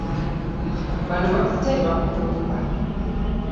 Banno bazze ne bakuloopa.